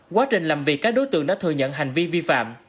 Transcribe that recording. quá trình làm việc các đối tượng đã thừa nhận hành vi vi phạm